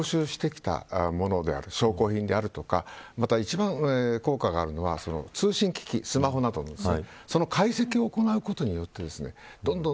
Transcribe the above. ですから今まで押収してきたものであるとか証拠品であるとかまた一番効果があるのは通信機器スマホなどですね。